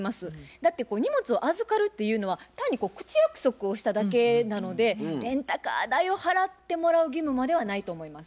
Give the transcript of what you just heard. だって荷物を預かるっていうのは単に口約束をしただけなのでレンタカー代を払ってもらう義務まではないと思います。